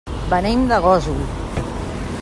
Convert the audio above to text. Venim de Gósol.